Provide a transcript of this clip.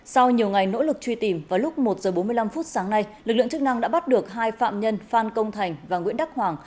sau nhiều ngày nỗ lực truy tìm vào lúc một h bốn mươi năm phút sáng nay lực lượng chức năng đã bắt được hai phạm nhân phan công thành và nguyễn đắc hoàng